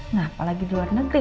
nah apalagi di luar negeri